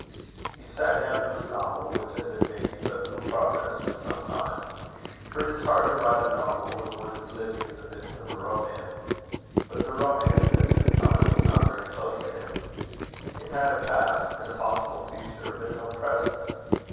He sat down to his novel, which had been making but little progress for some time; for it is hard to write a novel when one is living in the midst of a romance. But the romance, at this time, was not very close to him. It had a past and a possible future, but no present.